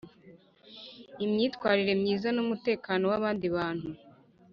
imyitwarire myiza n umutekano w abandi bantu